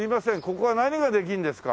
ここは何ができるんですか？